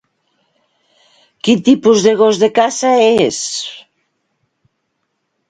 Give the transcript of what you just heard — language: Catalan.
Quin tipus de gos de caça és?